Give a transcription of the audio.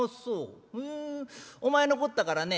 お前のこったからね